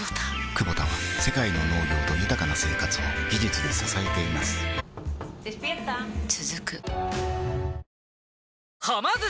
クボタは世界の農業と豊かな生活を技術で支えています起きて。